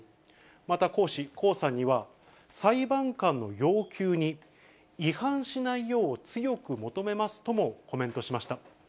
また江氏、江さんには裁判官の要求に違反しないよう強く求めますともコメントしました。